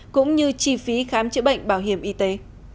cũng như chi phí khám chữa bệnh bảo hiểm y tế